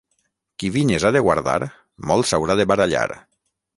Qui vinyes ha de guardar, molt s'haurà de barallar.